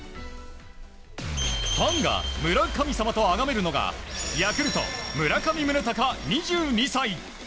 ファンが村神様と崇めるのがヤクルト、村上宗隆２２歳。